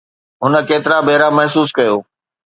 هن ڪيترا ڀيرا محسوس ڪيو؟